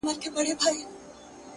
د پلټني سندرماره شـاپـيـرۍ يــارانــو؛